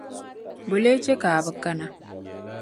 Bo n-lee che ka a bi kana?